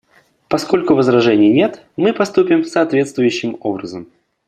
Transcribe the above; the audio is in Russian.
Поскольку возражений нет, мы поступим соответствующим образом.